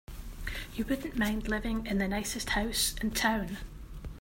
You wouldn't mind living in the nicest house in town.